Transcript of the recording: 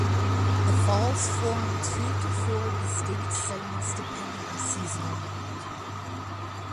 The falls form two to four distinct segments depending on seasonal melt.